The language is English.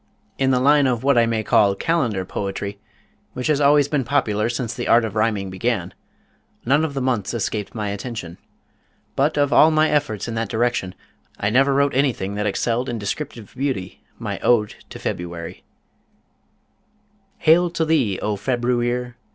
] In the line of what I may call calendar poetry, which has always been popular since the art of rhyming began, none of the months escaped my attention, but of all of my efforts in that direction I never wrote anything that excelled in descriptive beauty my ODE TO FEBRUARY Hail to thee, O Februeer!